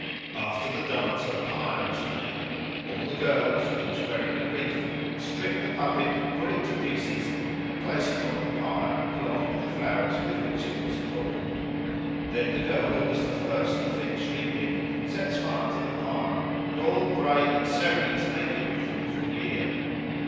After the dance a pyre is made. All the girls, each wearing a wreath, strip the puppet, pull it to pieces, and place it on the pyre, along with the flowers with which it was adorned. Then the girl who was the first to finish reaping sets fire to the pile, and all pray that Ceres may give a fruitful year.